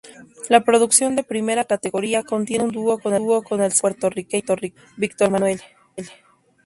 La producción de primera categoría contiene un dúo con el salsero puertorriqueño Víctor Manuelle.